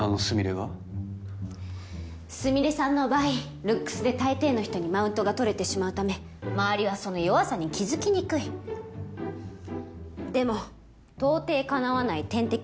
スミレさんの場合ルックスで大抵の人にマウントが取れてしまうため周りはその弱さに気づきにくいでも到底かなわない天敵